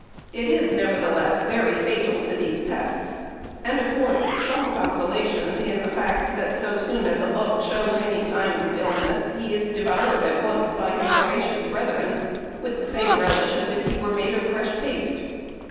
It is, nevertheless, very fatal to these pests, and affords some consolation in the fact that so soon as a "bug" shows any signs of illness, he is devoured at once by his voracious brethren with the same relish as if he were made of fresh paste.